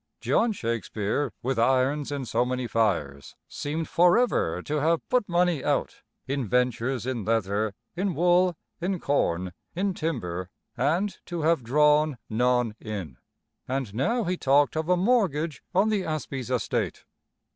John Shakespeare, with irons in so many fires, seemed forever to have put money out, in ventures in leather, in wool, in corn, in timber, and to have drawn none in. And now he talked of a mortgage on the Asbies estate.